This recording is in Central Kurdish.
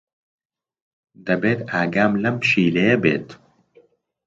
دەبێت ئاگام لەم پشیلەیە بێت.